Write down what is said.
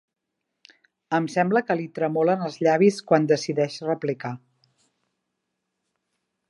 Em sembla que li tremolen els llavis quan decideix replicar.